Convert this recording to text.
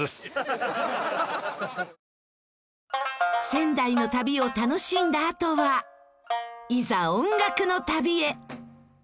仙台の旅を楽しんだあとはいざ音楽の旅へ。